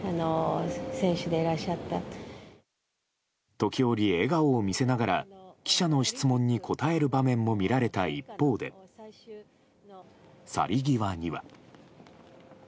時折笑顔を見せながら記者の質問に答える場面も見られた一方で去り際には。